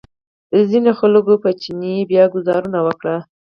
ځینو خلکو په چیني بیا ګوزارونه وکړل.